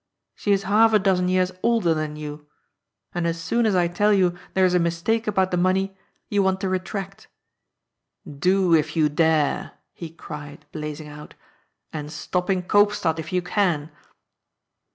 She is half a dozen years older than you. And as soon as I tell you there's a mis take about the money, you want to retract. Do, if you dare," he cried, blazing out, '^ and stop in Koopstad, if you can."